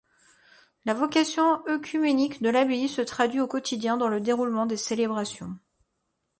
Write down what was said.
La vocation œcuménique de l'abbaye se traduit au quotidien dans le déroulement des célébrations.